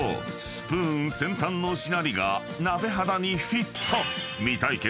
スプーン先端のしなりが鍋肌にフィット］